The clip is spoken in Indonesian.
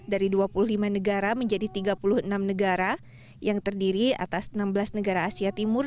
dari dua puluh lima negara menjadi tiga puluh enam negara yang terdiri atas enam belas negara asia timur